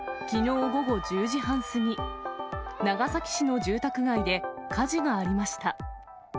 きのう午後１０時半過ぎ、長崎市の住宅街で火事がありました。